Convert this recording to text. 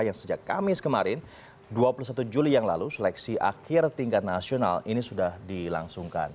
yang sejak kamis kemarin dua puluh satu juli yang lalu seleksi akhir tingkat nasional ini sudah dilangsungkan